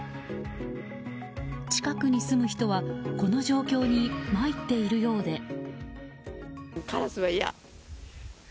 近くに住む人はこの状況にまいっているようで。